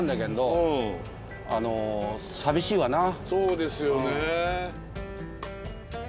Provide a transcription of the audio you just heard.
そうですよね。